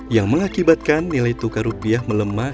yang mengakibatkan nilai tukar rupiah melemah